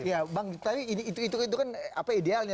iya bang itu kan idealnya